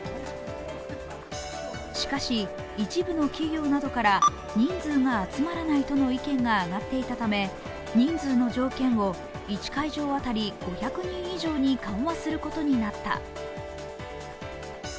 しかし、一部の企業などから人数が集まらないとの意見が上がっていたため人数の条件を１会場当たり５００人以上に緩和することになった。